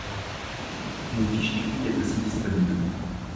Une fiche technique est aussi disponible.